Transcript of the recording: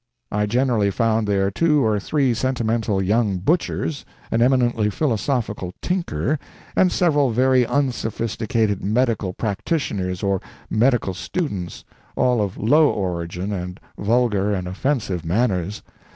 I generally found there two or three sentimental young butchers, an eminently philosophical tinker, and several very unsophisticated medical practitioners or medical students, all of low origin and vulgar and offensive manners.